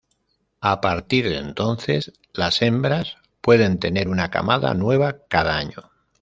A partir de entonces, las hembras pueden tener una camada nueva cada año.